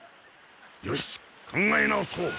よし考え直そう！